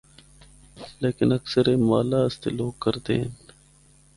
لیکن اکثر اے مالا اسطے لوگ کردے ہن۔